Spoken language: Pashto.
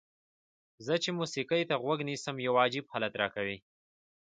زه چې موسیقۍ ته غوږ نیسم یو عجیب حالت راکوي.